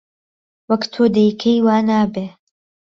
وهک تۆ دهیکهی وا نابێ